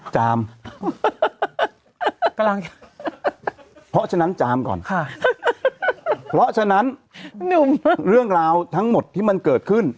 จามกำลังเพราะฉะนั้นจามก่อนค่ะเพราะฉะนั้นหนุ่มเรื่องราวทั้งหมดที่มันเกิดขึ้น